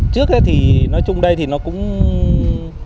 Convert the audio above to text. trước ấy thì nói chung đây thì nó có một số vận động rất là nhanh